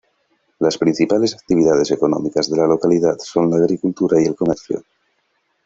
Las principales actividades económicas de la localidad son la agricultura y el comercio.